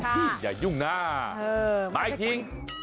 ฮืมอย่ายุ่งหน้าไปทิ้ง